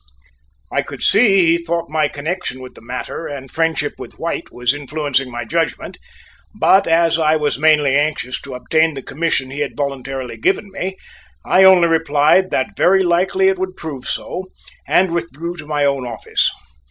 I could see he thought my connection with the matter, and friendship with White, was influencing my judgment, but as I was mainly anxious to obtain the commission he had voluntarily given me, I only replied that very likely it would prove so, and withdrew to my own office.